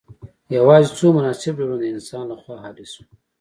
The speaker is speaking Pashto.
یوازې څو مناسب ډولونه د انسان لخوا اهلي شول.